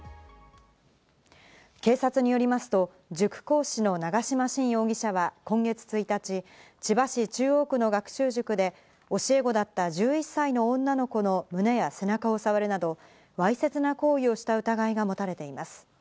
警察によりますと塾講師の長島新容疑者は今月１日、千葉市中央区の学習塾で教え子だった１１歳の女の子の胸や背中をさわるなど、わいせつな行為をした疑いが持たれています。